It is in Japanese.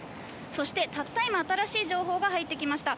そして、たった今新しい情報が入ってきました。